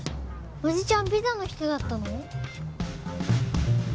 おじちゃんピザの人だったの？